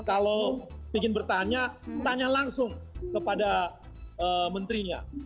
kalau ingin bertanya tanya langsung kepada menterinya